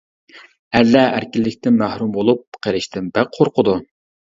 ئەرلەر ئەركىنلىكتىن مەھرۇم بولۇپ قېلىشتىن بەك قورقىدۇ.